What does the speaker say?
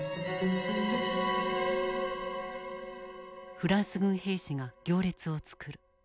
フランス軍兵士が行列を作る。